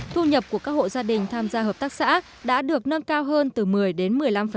thu nhập của các hộ gia đình tham gia hợp tác xã đã được nâng cao hơn từ một mươi đến một mươi năm